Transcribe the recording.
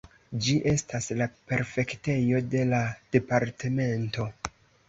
Ĝi estas la prefektejo de la departemento.